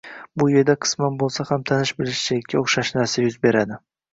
Bu yerda qisman bo‘lsa ham tanish-bilishchilikka o‘xshash narsa yuz beradi.